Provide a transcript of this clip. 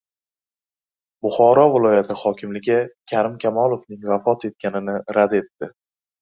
Buxoro viloyati hokimligi Karim Kamolovning vafot etganini rad etdi